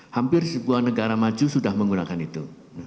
hampir sebuah negara maju sudah menggunakan itu